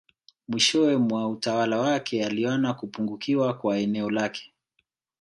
Mwishowe mwa utawala wake aliona kupungukiwa kwa eneo lake